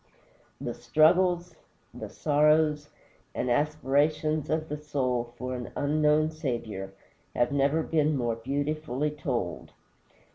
The struggles, the sorrows, and aspirations of the soul for an unknown Saviour have never been more beautifully told.